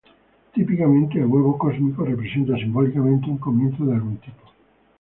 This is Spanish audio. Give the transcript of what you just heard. Típicamente el huevo cósmico representa simbólicamente un comienzo de algún tipo.